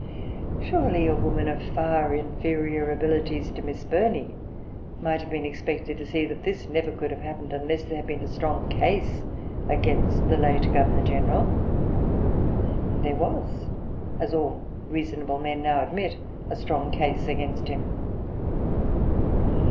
Surely a woman of far inferior abilities to Miss Burney might have been expected[Pg 368] to see that this never could have happened unless there had been a strong case against the late Governor General. And there was, as all reasonable men now admit, a strong case against him.